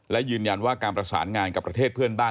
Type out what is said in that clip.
และยืนยันว่าการประสานงานกับประเทศเพื่อนบ้าน